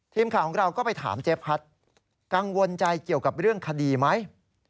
ทีมข่าวของเราก็ไปถามเจ๊พัดกังวลใจเกี่ยวกับเรื่องคดีไหม